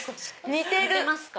似てますか？